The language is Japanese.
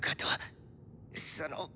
その。